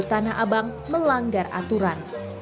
tanah abang melanggar aturan